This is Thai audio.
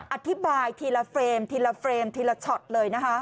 อะทิบายอีกทีละเฟมทีละเฟมทีละชอตเลยนะฮะ